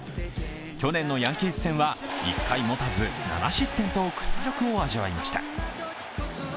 去年のヤンキース戦は１回もたず７失点と屈辱を味わいました。